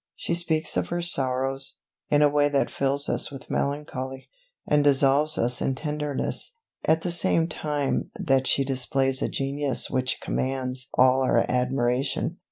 She speaks of her sorrows, in a way that fills us with melancholy, and dissolves us in tenderness, at the same time that she displays a genius which commands all our admiration.